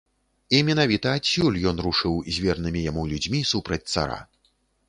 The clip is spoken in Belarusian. І менавіта адсюль ён рушыў з вернымі яму людзьмі супраць цара.